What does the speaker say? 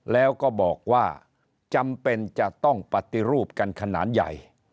แล้วก็บอกว่าจำเป็นจะต้องปฏิรูปกันขนาดใหญ่